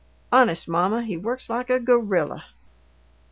"Honest, mamma, he works like a gorilla!"